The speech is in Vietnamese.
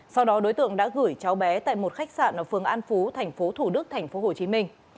sau đó đối tượng đã gửi cháu bé tại một khách sạn ở phường an phú thành phố thủ đức thành phố hồ chí minh